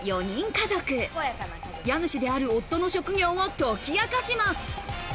家主である夫の職業を解き明かします。